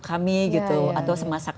karena karma akibat perbuatan buruk